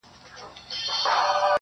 خو د حقیقت جلوه لیدل زړه چاودون غواړي